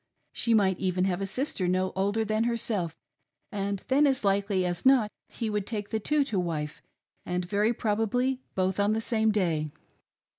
She might even have a sister no older than herself, and then as likely as not he would take the two to. wife, and very probably both on the same day.